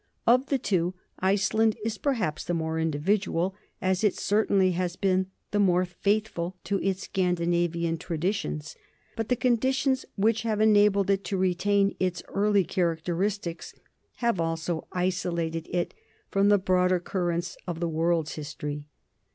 Of the two, Iceland is perhaps the more individual, as it certainly has been the more faithful to its Scandinavian traditions, but the conditions which have enabled it to retain its early characteristics have also isolated it from the broader currents of the world 's history.